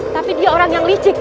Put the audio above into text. tapi dia orang yang licik